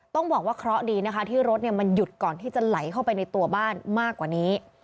ต้องบอกว่าเคราะห์ดีนะคะที่รถมันหยุดก่อนที่จะไหลเข้าไปในตัวบ้านมากกว่านี้